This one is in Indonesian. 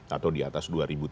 atau di atas dua ribu tiga puluh